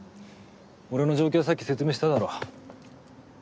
俺の状況はさっき説明しただろ。